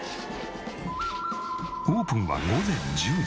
オープンは午前１０時。